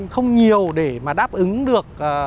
không nhiều để đáp ứng được